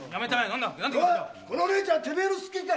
この姉ちゃんてめえのスケか？